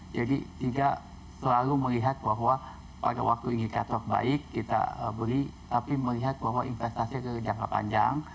jadi tidak selalu melihat bahwa pada waktu ingin dikatok baik kita beli tapi melihat bahwa investasi itu jangka panjang